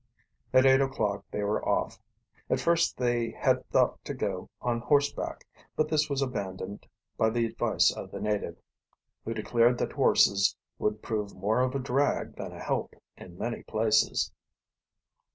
At eight o'clock they were off. At first they had thought to go on horseback; but this was abandoned by the advice of the native, who declared that horses would prove more of a drag than a help in many places.